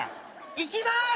いきます！